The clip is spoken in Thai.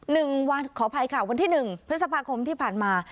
หนึ่งวันขออภัยค่ะวันที่หนึ่งพฤษภาคมที่ผ่านมา